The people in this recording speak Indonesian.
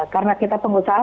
karena kita pengusaha